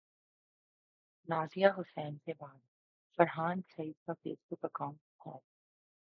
Nadia Hussain کے بعد فرحان سعید کا فیس بک اکانٹ ہیک